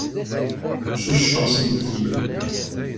Cucfeɣ sendiḍelli.